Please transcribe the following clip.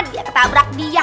dia ketabrak dia